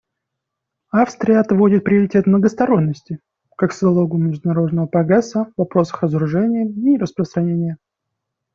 Австрия отводит приоритет многосторонности как залогу международного прогресса в вопросах разоружения и нераспространения.